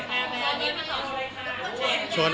ถ้ากีมะ